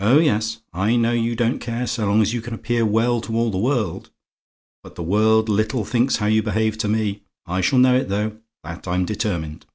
Oh, yes! I know you don't care so long as you can appear well to all the world, but the world little thinks how you behave to me. It shall know it, though that I'm determined.